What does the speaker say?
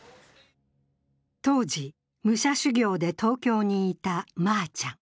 当時、武者修行で東京にいたまーちゃん。